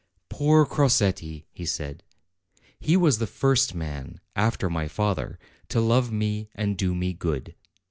"Poor Crosetti!" he said; "he was the first man, after my father, to love me and do me good.